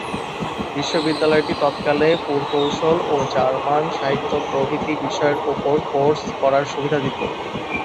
বিশ্ববিদ্যালয়টি তৎকালে পুরকৌশল ও জার্মান সাহিত্য প্রভৃতি বিষয়ের ওপর কোর্স করার সুবিধা দিত।